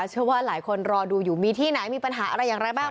เชื่อว่าหลายคนรอดูอยู่มีที่ไหนมีปัญหาอะไรอย่างไรบ้าง